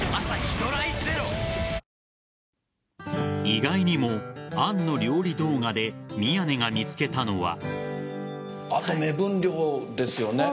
意外にも杏の料理動画で宮根が見つけたのは。